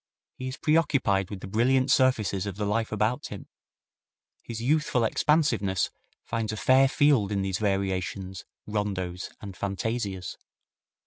He is preoccupied with the brilliant surfaces of the life about him. His youthful expansiveness finds a fair field in these variations, rondos and fantasias.